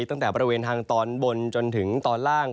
ตั้งแต่บริเวณทางตอนบนจนถึงตอนล่าง